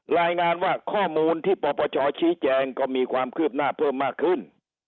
รายงานว่าข้อมูลที่ปปชชี้แจงก็มีความคืบหน้าเพิ่มมากขึ้น